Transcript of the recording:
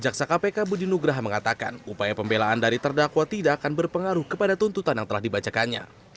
jaksa kpk budi nugraha mengatakan upaya pembelaan dari terdakwa tidak akan berpengaruh kepada tuntutan yang telah dibacakannya